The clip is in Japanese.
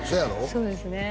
そうですね